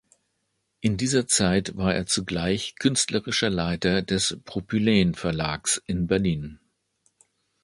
In dieser Zeit war er zugleich künstlerischer Leiter des Propyläen Verlags in Berlin.